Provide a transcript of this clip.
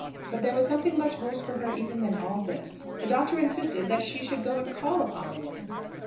But there was something much worse for her even than all this. The Doctor insisted that she should go and call upon the woman!